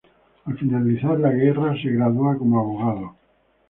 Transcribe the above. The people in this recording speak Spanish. Al finalizar la guerra se gradúa como abogado.